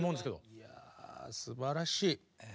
いやすばらしい。